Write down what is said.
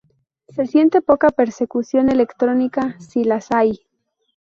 Se siente poca percusión electrónica, ¡si las hay!